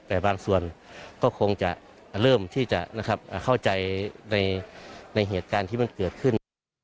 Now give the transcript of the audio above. แต่บางส่วนก็คงจะเริ่มที่จะเข้าใจในเหตุการณ์ที่มันเกิดขึ้น